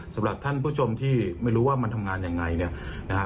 สำหรับท่านผู้ชมที่ไม่รู้ว่ามันทำงานยังไงเนี่ยนะฮะ